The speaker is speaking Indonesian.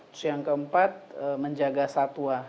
terus yang keempat menjaga satwa